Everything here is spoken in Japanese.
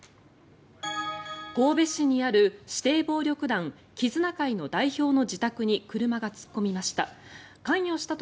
神戸市にある指定暴力団絆会の代表の自宅に車が突っ込みました。